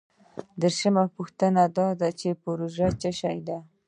دیرشمه پوښتنه دا ده چې پروژه څه شی ده؟